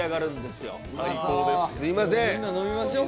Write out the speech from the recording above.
すいません。